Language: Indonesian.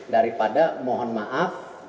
daripada mohon maaf